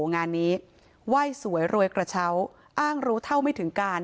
งานนี้ไหว้สวยรวยกระเช้าอ้างรู้เท่าไม่ถึงการ